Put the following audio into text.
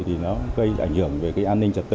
thì nó gây ảnh hưởng về cái an ninh trật tự